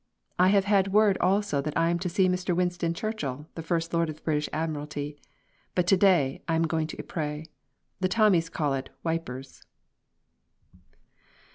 I have had word also that I am to see Mr. Winston Churchill, the First Lord of the British Admiralty. But to day I am going to Ypres. The Tommies call it "Wipers."